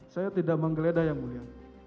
saya tidak mengeledah ya mulia